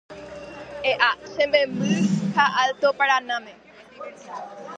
E'a che memby ha Alto Paranáme